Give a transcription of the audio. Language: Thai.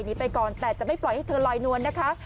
ไปก่อนแต่จะไม่ปล่อยให้เธอลอยนวลนะคะ